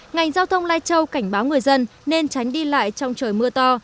ngành giao thông lai châu cảnh báo người dân nên tránh đi lại trong trời mưa to